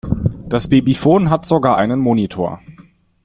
Das Babyfon hat sogar einen Monitor.